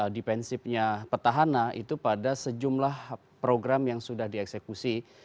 dipensifnya petahana itu pada sejumlah program yang sudah dieksekusi